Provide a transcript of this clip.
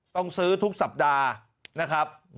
ต้องซื้อทุกสัปดาห์นะครับ